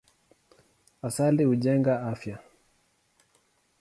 Asali hujenga afya.